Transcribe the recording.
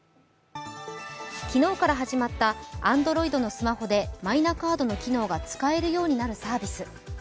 昨日から始まったＡｎｄｒｏｉｄのスマホでマイナカードの機能が使えるようになるサービス。